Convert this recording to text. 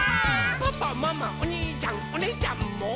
「パパママおにいちゃんおねぇちゃんも」